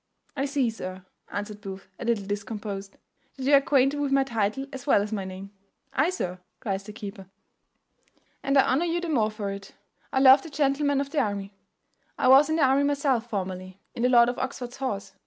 "I see, sir," answered Booth, a little discomposed, "that you are acquainted with my title as well as my name." "Ay, sir," cries the keeper, "and I honour you the more for it. I love the gentlemen of the army. I was in the army myself formerly; in the Lord of Oxford's horse.